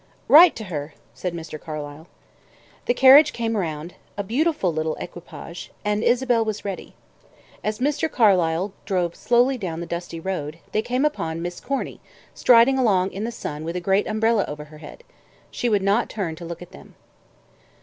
"Write to her," said Mr. Carlyle. The carriage came round a beautiful little equipage and Isabel was ready. As Mr. Carlyle drove slowly down the dusty road, they came upon Miss Corny, striding along in the sun with a great umbrella over her head. She would not turn to look at them.